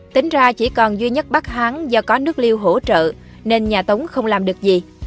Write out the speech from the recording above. tính ra chỉ còn duy nhất bắc hán do có nước liêu hỗ trợ nên nhà tống không làm được gì